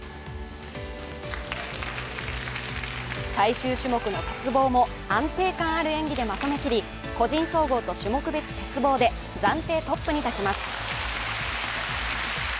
最終種目の鉄棒も安定感ある演技でまとめきり、個人総合と種目別鉄棒で暫定トップに立たちます。